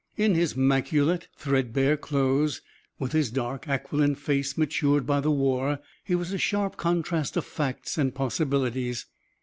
In his maculate, threadbare clothes, with his dark, aquiline face matured by the war he was a sharp contrast of facts and possibilities.